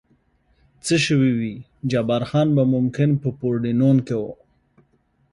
څه شوي وي، جبار خان به ممکن په پورډینون کې و.